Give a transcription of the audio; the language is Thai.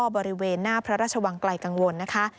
บริเวณหน้าพระราชวังไกลกังวลนะคะ